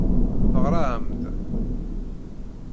Teɣra-am-d.